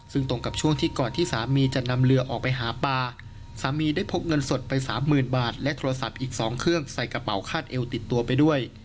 ซึ่งตรงกับช่วงที่ก่อนที่สามีจะนำเรือออกไปหาปลาสามีได้พกเงินสดไปสามหมื่นบาทและโทรศัพท์อีก๒เครื่องใส่กระเป๋าคาดเอวติดตัวไปด้วย